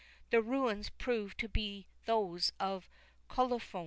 The ruins proved to be those of Colophon.